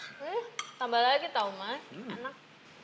eh tambah lagi tau mas enak